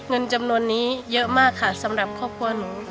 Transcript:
เงินจำนวนนี้เยอะมากค่ะสำหรับครอบครัวหนู